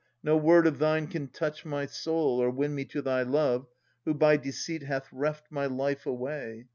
No word of thine can touch my soul Or win me to thy love, who by deceit Hast reft my life away.